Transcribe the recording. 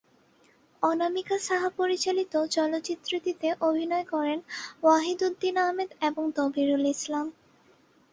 অনামিকা সাহা পরিচালিত চলচ্চিত্রটিতে অভিনয় করেন ওয়াহিদউদ্দিন আহমেদ এবং দবিরুল ইসলাম।